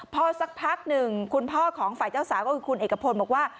พอสักพักหนึ่งคุณพ่อของฝ่ายเจ้าสาวก็คือคุณเอกพลบอกว่า